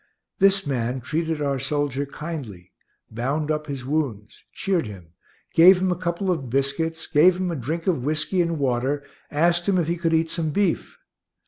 This man treated our soldier kindly, bound up his wounds, cheered him, gave him a couple of biscuits gave him a drink of whiskey and water, asked him if he could eat some beef.